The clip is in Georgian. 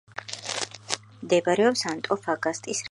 მდებარეობს ანტოფაგასტის რეგიონში.